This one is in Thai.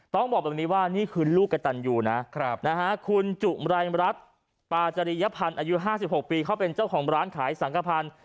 ต้องบอกตรงนี้ว่านี่คือลูกกระตันอยู่นะครับนะฮะคุณจุมรัยรัฐปาจริยภัณฑ์อายุห้าสิบหกปีเขาเป็นเจ้าของร้านขายสังกภัณฑ์